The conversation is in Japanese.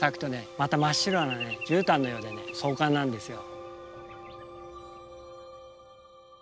また真っ白なじゅうたんのようで壮観なんですよ。